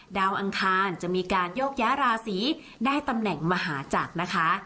อังคารจะมีการโยกย้าราศีได้ตำแหน่งมหาจักรนะคะ